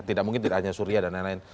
tidak mungkin tidak hanya suria dan lain lain